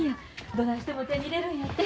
どないしても手に入れるんやて。